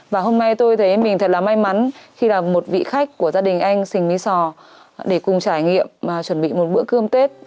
và hôm nay tôi thấy mình thật là may mắn khi là một vị khách của gia đình anh sình mỹ sò để cùng trải nghiệm và chuẩn bị một bữa cơm tết